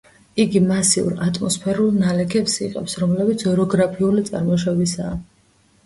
იგი მასიურ ატმოსფერულ ნალექებს იღებს, რომლებიც ოროგრაფიული წარმოშობისაა.